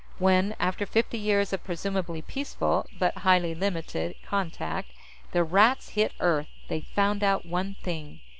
When, after fifty years of presumably peaceful but highly limited contact, the Rats hit Earth, they found out one thing.